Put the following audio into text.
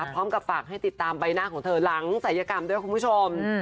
พร้อมกับฝากให้ติดตามใบหน้าของเธอหลังศัยกรรมด้วยคุณผู้ชม